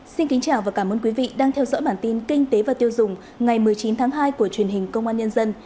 xin kính chào và cảm ơn quý vị đang theo dõi bản tin kinh tế và tiêu dùng ngày một mươi chín tháng hai của truyền hình công an nhân dân